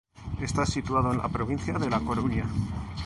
Está situado en la provincia de La Coruña.